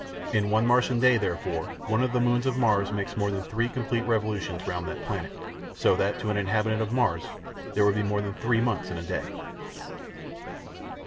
In one Martian day, therefore, one of the moons of Mars makes more than three complete revolutions round that planet, so that, to an inhabitant of Mars, there would be more than three months in a day.